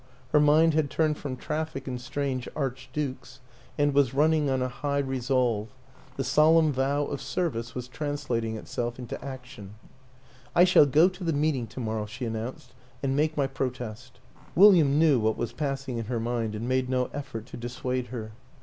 Her mind had turned from traffic in strange archdukes and was running on a high re solve; the solemn vow of service was translating itself into action. WILLIAM AN ENGLISHMAN 31 " I shall go to the meeting to morrow," she an nounced, " and make my protest." William knew what was passing in her mind and made no effort to dissuade her.